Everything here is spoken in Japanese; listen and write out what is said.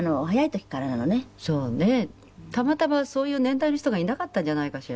たまたまそういう年代の人がいなかったんじゃないかしら。